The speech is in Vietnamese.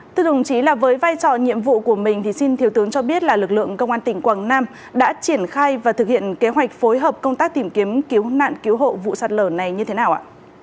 thưa đồng chí là với vai trò nhiệm vụ của mình thì xin thiếu tướng cho biết là lực lượng công an tỉnh quảng nam đã triển khai và thực hiện kế hoạch phối hợp công tác tìm kiếm cứu nạn cứu hộ vụ sạt lở này như thế nào ạ